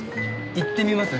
行ってみます？